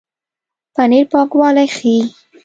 پنېر پاکوالی ښيي.